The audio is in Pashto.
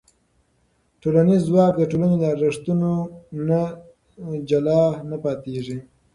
ټولنیز ځواک د ټولنې له ارزښتونو نه جلا نه پاتې کېږي.